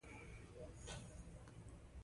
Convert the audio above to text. زمانشاه به ځای پیدا نه کړي.